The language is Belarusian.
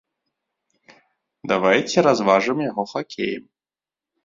Давайце разважым яго хакеем!